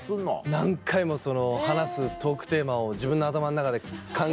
何回もその話すトークテーマを自分の頭の中で考えて。